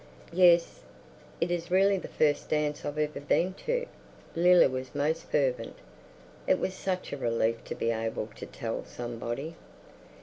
"Yes, it is really the first dance I've ever been to." Leila was most fervent. It was such a relief to be able to tell somebody.